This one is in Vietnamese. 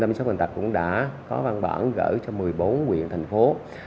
công tác giám sát cũng đã có văn bản gửi cho một mươi bốn quyền thành phố